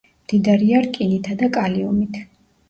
მდიდარია რკინითა და კალიუმით.